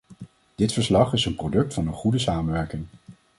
Dit verslag is een product van een goede samenwerking.